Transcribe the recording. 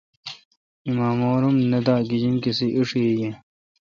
ایمامور ام نہ دہ۔ گجین کسے ایݭی یہ۔